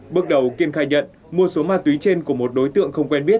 bước đầu kiên khai nhận mua số ma túy trên của một đối tượng không quen biết